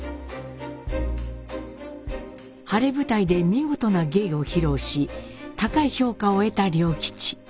晴れ舞台で見事な芸を披露し高い評価を得た良吉。